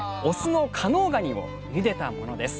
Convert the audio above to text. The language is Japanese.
オスの加能ガニをゆでたものです。